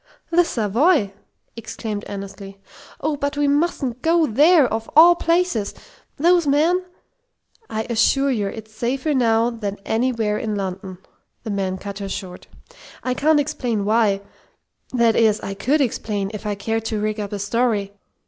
"The Savoy!" exclaimed Annesley. "Oh, but we mustn't go there, of all places! Those men " "I assure you it's safer now than anywhere in London!" the man cut her short. "I can't explain why that is, I could explain if I cared to rig up a story.